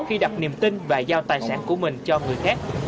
khi đặt niềm tin và giao tài sản của mình cho người khác